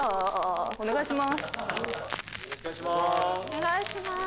お願いします。